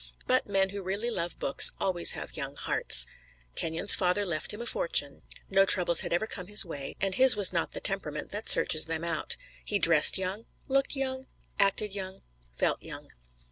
But men who really love books always have young hearts. Kenyon's father left him a fortune, no troubles had ever come his way, and his was not the temperament that searches them out. He dressed young, looked young, acted young, felt young.